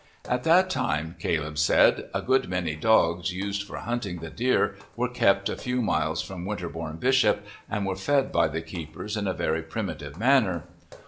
At that time, Caleb said, a good many dogs used for hunting the deer were kept a few miles from Winterbourne Bishop and were fed by the keepers in a very primitive manner.